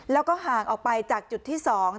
แล้วก็ห่างออกไปจากจุดที่๒